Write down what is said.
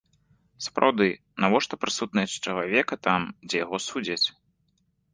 Сапраўды, навошта прысутнасць чалавека там, дзе яго судзяць?